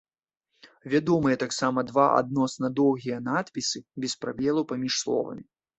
Вядомыя таксама два адносна доўгія надпісы без прабелаў паміж словамі.